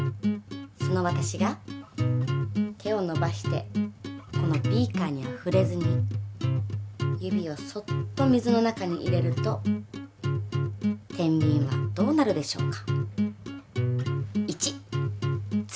その私が手をのばしてこのビーカーにふれずに指をそっと水の中に入れるとてんびんはどうなるでしょうか？